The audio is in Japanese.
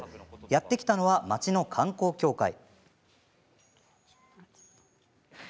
やって来たのは町の観光協会。